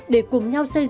để cùng nhau giải trí